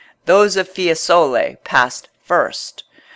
Those of Fiesole passed first.